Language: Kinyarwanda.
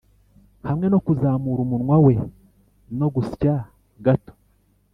hamwe no kuzamura umunwa we no gusya gato,